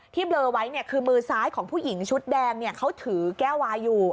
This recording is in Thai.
ที่เบลอไว้เนี่ยคือมือซ้ายของผู้หญิงชุดแดงเนี่ยเขาถือแก้ววายอยู่